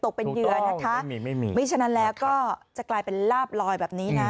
ค่ะครับ